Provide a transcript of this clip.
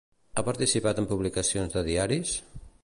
Ha participat en publicacions de diaris?